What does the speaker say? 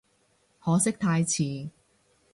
可惜太遲